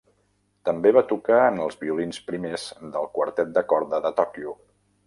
També va tocar en els violins primers del Quartet de Corda de Tòquio.